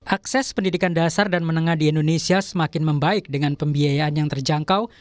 akses pendidikan dasar dan menengah di indonesia semakin membaik dengan pembiayaan yang terjangkau